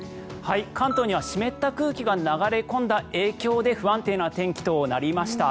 関東には湿った空気が流れ込んだ影響で不安定な天気となりました。